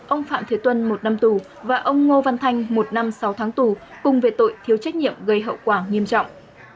ông phạm thế tuân một năm tù và ông ngô văn thanh một năm sáu tháng tù cùng về tội thiếu trách nhiệm gây hậu quả nghiêm trọng